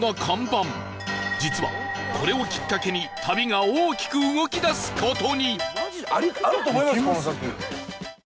実はこれをきっかけに旅が大きく動き出す事に